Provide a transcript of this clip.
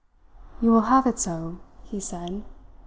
"You will have it so?" he said.